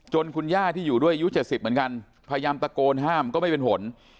คุณย่าที่อยู่ด้วยอายุ๗๐เหมือนกันพยายามตะโกนห้ามก็ไม่เป็นผล